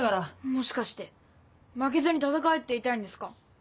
もしかして「負けずに戦え」って言いたいんですか？